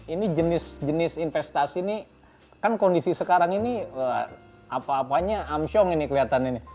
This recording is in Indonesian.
ini jenis jenis investasi ini kan kondisi sekarang ini apa apanya amsyong ini kelihatan ini